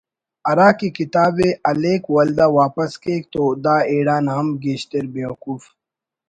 ہرا کہ کتاب ءِ ہلیک ولدا واپس کیک تو دا ایڑان ہم گیشتر بے وقوف